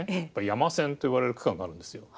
山線と呼ばれる区間があるんですよ。